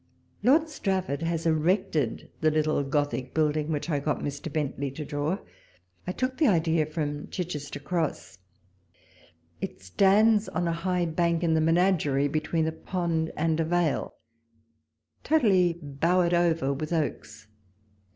Lord Strafford has erected the little Gothic building, which I got Mr. Bentley to draw ; I took the idea from Chichester Cross. It stands on a high bank in the menagerie, between a pond and a vale, totally bowered over with oaks.